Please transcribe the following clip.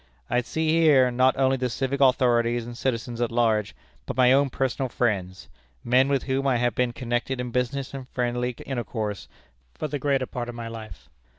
I see here not only the civic authorities and citizens at large, but my own personal friends men with whom I have been connected in business and friendly intercourse for the greater part of my life.